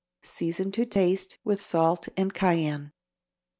Season to taste with salt and cayenne.